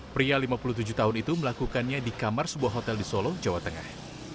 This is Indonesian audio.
pria lima puluh tujuh tahun itu melakukannya di kamar sebuah hotel di solo jawa tengah